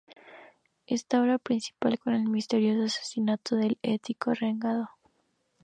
Esta obra principia con el misterioso asesinato del Ético renegado.